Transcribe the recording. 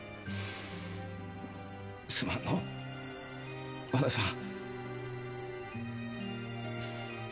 すまんのう和田さん。